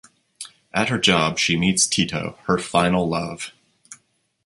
At her job she meets Tito, her final love.